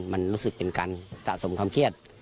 มันรู้สึกเป็นการสะสมความเครียด